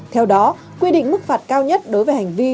theo đó quy định mức phạt cao nhất đối với hành vi